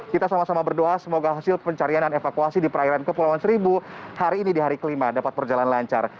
kita sama sama berdoa semoga hasil pencarian dan evakuasi di perairan kepulauan seribu hari ini di hari kelima dapat berjalan lancar